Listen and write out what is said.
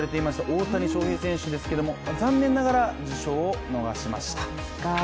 大谷翔平選手ですけれども残念ながら受賞を逃しました。